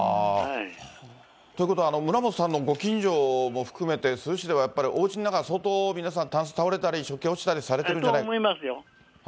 ということは村元さんのご近所も含めて、珠洲市ではおうちの中、相当、皆さん、たんす倒れたり、食器落ちたりされてるんじゃないかと。